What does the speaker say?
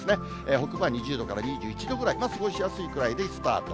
北部は２０度から２１度ぐらい、過ごしやすいぐらいでスタート。